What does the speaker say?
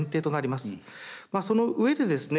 まあその上でですね